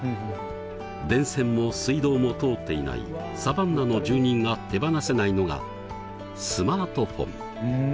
電線も水道も通っていないサバンナの住人が手放せないのがスマートフォン。